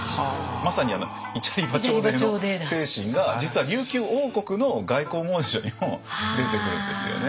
まさにイチャリバチョーデーの精神が実は琉球王国の外交文書にも出てくるんですよね。